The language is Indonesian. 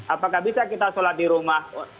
apakah bisa kita sholat di rumah